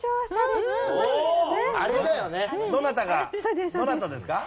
どなたですか？